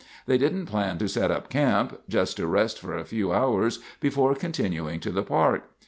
They didn't plan to set up camp—just to rest for a few hours before continuing to the park.